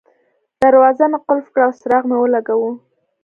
دروازه مې قلف کړه او څراغ مې ولګاوه.